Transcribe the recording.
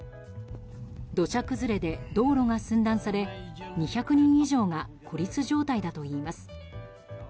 土砂崩れで道路が寸断され２００人以上が孤立状態だといいます。